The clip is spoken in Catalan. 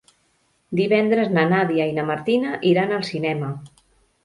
Divendres na Nàdia i na Martina iran al cinema.